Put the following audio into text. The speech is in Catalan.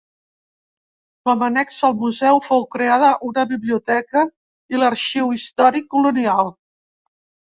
Com annexa al Museu fou creada una biblioteca i l'arxiu històric colonial.